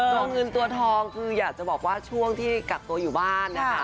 ตัวเงินตัวทองคืออยากจะบอกว่าช่วงที่กักตัวอยู่บ้านนะคะ